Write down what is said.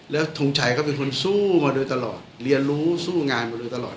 แล้วทงชัยก็เป็นคนสู้มาโดยตลอดเรียนรู้สู้งานมาโดยตลอด